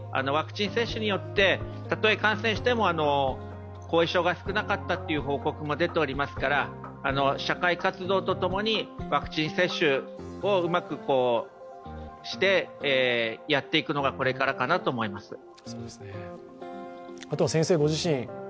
ワクチン接種によって、たとえ感染しても後遺症が少なかったという報告も出ておりますから社会活動とともにワクチン接種をうまくしてやっていくのがこれからかなと思います。